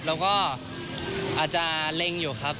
แล้วก็อาจจะเล็งอยู่ครับ